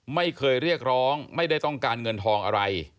ไม่เคยเรียกร้องไม่ได้ต้องการเงินทองอะไร